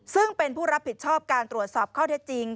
ซึ่งเป็นผู้รับผิดชอบการตรวจสอบข้อเท็จจริง